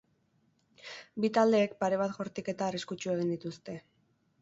Bi taldeek pare bat jaurtiketa arriskutsu egin dituzte.